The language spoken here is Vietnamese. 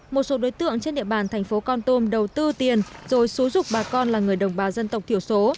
một số đối tượng trên địa bàn thành phố con tum đầu tư tiền rồi xúi dục bà con là người đồng bào dân tộc thiểu số